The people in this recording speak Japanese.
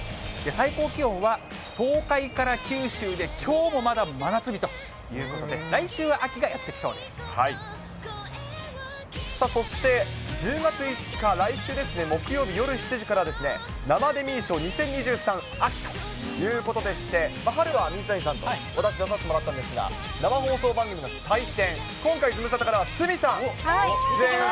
最高気温は東海から九州できょうもまだ真夏日ということで、そして１０月５日、来週ですね、木曜日夜７時から、生デミー賞２０２３秋ということでして、春は水谷さんと私、出させてもらったんですが、生放送番組の祭典、今回ズムサタからは鷲見さんが出演。